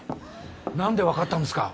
何で分かったんですか？